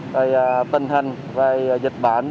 tình hình về dịch bệnh